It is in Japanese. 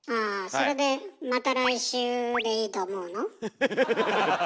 それで「また来週」でいいと思うの？